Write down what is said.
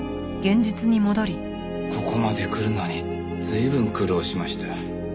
ここまで来るのに随分苦労しました。